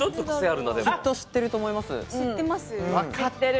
きっと知ってると思います。